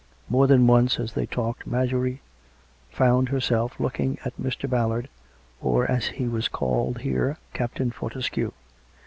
More than once, as they talked, Marjorie found herself looking at Mr. Ballard, or, as he was called here, Captain Fortescue.